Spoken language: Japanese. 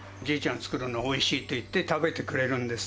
作るのおいしいと言って食べてくれるんです。